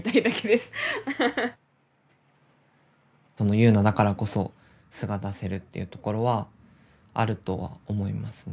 佑奈だからこそ素が出せるっていうところはあるとは思いますね。